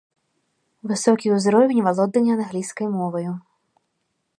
Высокі ўзровень валодання англійскай моваю.